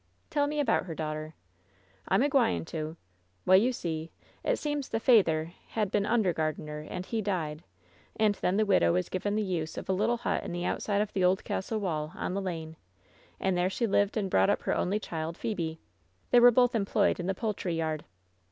"Tell me about her daughter." "I'm a gwine to. Well, you see, it seems the feyther had been undergardener, and he died, and then the widow was given the use of a little hut in the outside of «96 LOVE'S BITTEREST CUP the old castle wall, on tlie lane. And there she lived •nd brought up her only child, Phebe, They were both employed in the poultry yard.